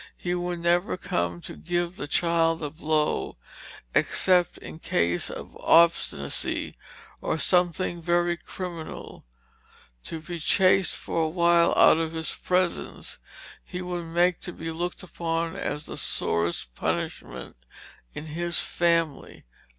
He would never come to give the child a blow, except in case of obstinacy, or something very criminal. To be chased for a while out of his presence he would make to be looked upon as the sorest punishment in his family."